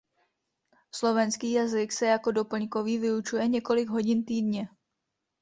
Slovenský jazyk se jako doplňkový vyučuje několik hodin týdně.